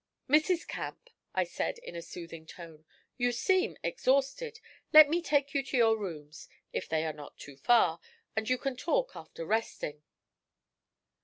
'Mrs. Camp,' I said, in a soothing tone, 'you seem exhausted; let me take you to your rooms, if they are not too far, and you can talk after resting.'